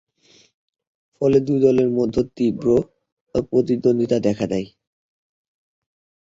ফলে দুই দলের মধ্যে তীব্র প্রতিদ্বন্দ্বিতা দেখা দেয়।